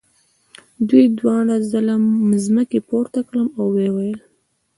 دوی دواړو زه له مځکې پورته کړم او ویې ویل.